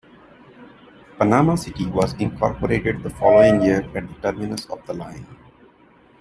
Panama City was incorporated the following year at the terminus of the line.